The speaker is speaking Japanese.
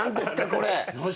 これ！